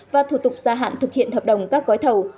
và thủ tục gia hạn thực hiện hợp đồng các gói thầu